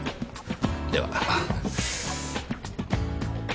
では。